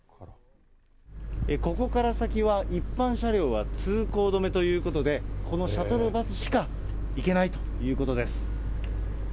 ここから先は、一般車両は通行止めということで、このシャトルバスしか行けないということです。